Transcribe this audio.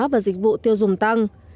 và dịch vụ tiêu dùng tăng